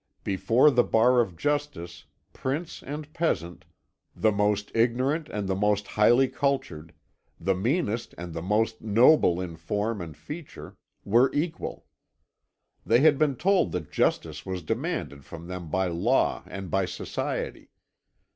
Before the bar of justice, prince and peasant, the most ignorant and the most highly cultured, the meanest and the most noble in form and feature, were equal. They had been told that justice was demanded from them by law and by society.